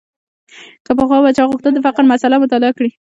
که پخوا به چا غوښتل د فقر مسأله مطالعه کړي.